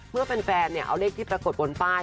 เมื่อแฟนเอาเลขที่ปรากฏบนป้าย